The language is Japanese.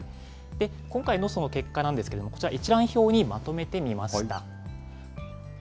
今回の結果なんですけれども、こちら、一覧表にまとめてみました。